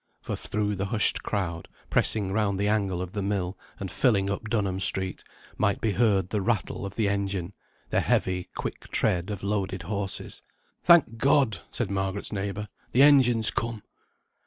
For through the hushed crowd, pressing round the angle of the mill, and filling up Dunham Street, might be heard the rattle of the engine, the heavy, quick tread of loaded horses. "Thank God!" said Margaret's neighbour, "the engine's come."